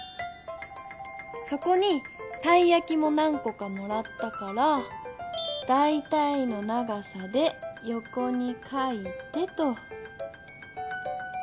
そこにたいやきも何こかもらったからだいたいの長さでよこに書いてと。